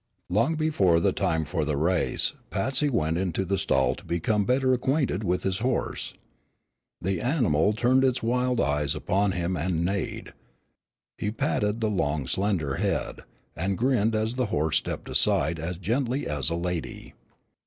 Long before the time for the race Patsy went into the stall to become better acquainted with his horse. The animal turned its wild eyes upon him and neighed. He patted the long, slender head, and grinned as the horse stepped aside as gently as a lady.